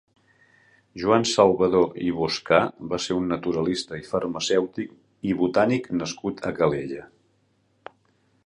Joan Salvador i Boscà va ser un naturalista i farmacèutic i botànic nascut a Calella.